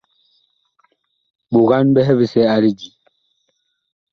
Ɓogan ɓɛhɛ bisɛ a lidí.